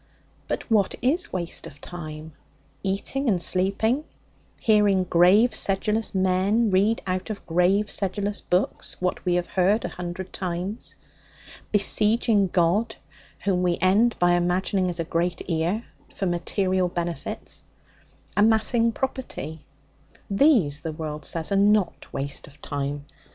But what is waste of time? Eating and sleeping; hearing grave, sedulous men read out of grave, sedulous book what we have heard a hundred times; besieging God (whom we end by imagining as a great ear) for material benefits; amassing property these, the world says, are not waste of time.